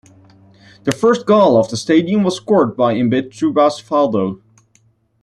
The first goal of the stadium was scored by Imbituba's Valdo.